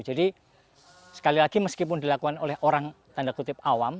jadi sekali lagi meskipun dilakukan oleh orang tanda kutip awam